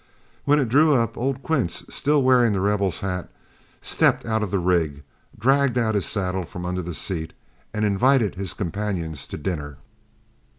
When it drew up old Quince, still wearing The Rebel's hat, stepped out of the rig, dragged out his saddle from under the seat, and invited his companions to dinner.